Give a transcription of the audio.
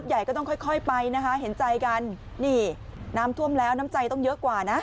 ใหญ่ก็ต้องค่อยค่อยไปนะคะเห็นใจกันนี่น้ำท่วมแล้วน้ำใจต้องเยอะกว่านะ